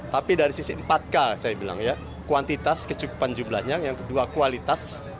tapi dari sisi empat k saya bilang ya kuantitas kecukupan jumlahnya yang kedua kualitas